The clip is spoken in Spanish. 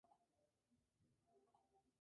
¿no hubiese vivido yo?